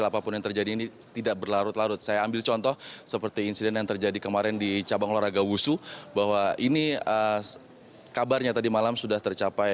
pon ke sembilan belas jawa barat